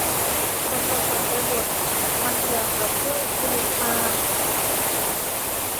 ฉันสับสนไปหมด มันอย่างกับเครื่องอินิกมา